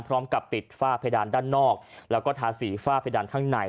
พร้อมกับติดฝ้าเพดานด้านนอกแล้วก็ทาสีฝ้าเพดานข้างใน